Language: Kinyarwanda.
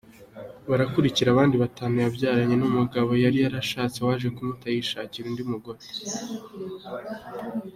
Barakurikira abandi batanu yabyaranye n’umugabo yari yarashatse waje kumuta yishakira undi mugore.